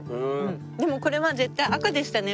でもこれは絶対赤でしたね。